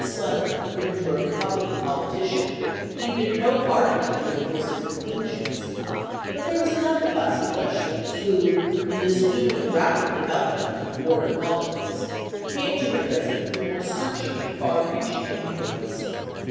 rpj^g ietter, written to a Republican politician, needed no argument to enforce its conclusions; but there was another class of questioners who, in the new and rapid development of war and poli tics, came to the President with more searching and far reaching inquiries.